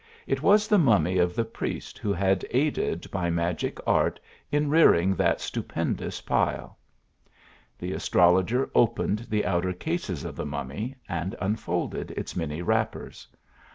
It was the mummy of the pries who had aided by magic art in rearing that stupend ous pile. The astrologer opened the outer cases of the mummy, and unfolded its many wrappers.